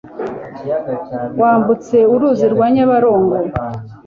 wambutse uruzi rwa Nyabarongo.